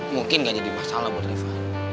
mungkin gak jadi masalah buat reva